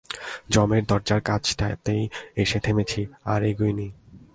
যমের দরজার কাছটাতে এসে থেমেছি, আর এগোই নি।